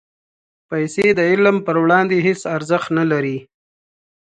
پېسې د علم پر وړاندې هېڅ ارزښت نه لري.